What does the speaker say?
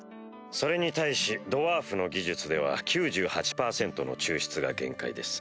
それに対しドワーフの技術では９８％の抽出が限界です。